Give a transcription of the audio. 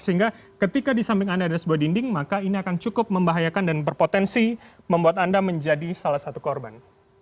sehingga ketika di samping anda ada sebuah dinding maka ini akan cukup membahayakan dan berpotensi membuat anda menjadi salah satu korban